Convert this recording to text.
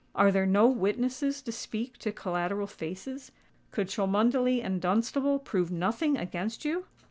"Are there no witnesses to speak to collateral faces? Could Cholmondeley and Dunstable prove nothing against you?"